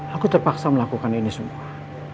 aku terpaksa melakukan ini semua